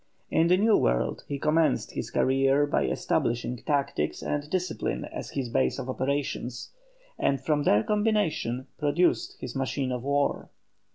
In the New World he commenced his career by establishing tactics and discipline as his base of operations, and from their combination produced his machine of war.